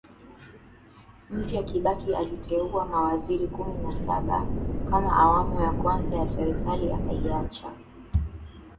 mpya Kibaki aliteua mawaziri kumi na saba kama awamu ya kwanza ya serikali akiacha